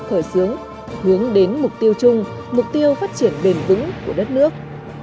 hướng đến mục tiêu chung mục tiêu phát triển bền vững của đất nước